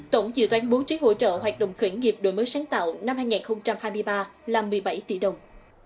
tổng dự toán bố trí hỗ trợ hoạt động khởi nghiệp đổi mới sáng tạo năm hai nghìn hai mươi ba là một mươi bảy tỷ đồng